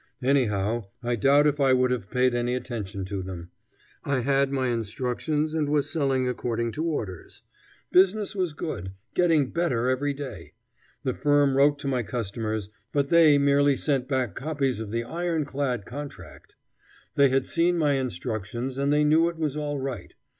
Anyhow, I doubt if I would have paid any attention to them. I had my instructions and was selling according to orders. Business was good, getting better every day. The firm wrote to my customers, but they merely sent back copies of the iron clad contract. They had seen my instructions, and they knew it was all right.